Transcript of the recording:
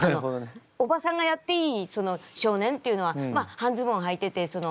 おばさんがやっていい少年っていうのはまあ半ズボンはいててそのまあ